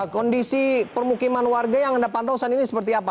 kondisi permukiman warga yang anda pantau saat ini seperti apa